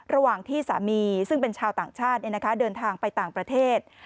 ระหว่างที่สามีซึ่งเป็นชาวต่างชาติเดินทางไปต่างประเทศ